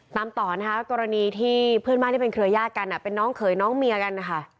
ตามต่อนะคะกรณีที่เพื่อนบ้านที่เป็นเครือยาศกันเป็นน้องเขยน้องเมียกันนะคะ